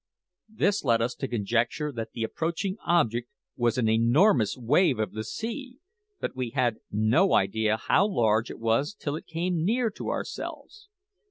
This led us to conjecture that the approaching object was an enormous wave of the sea; but we had no idea how large it was till it came near to ourselves.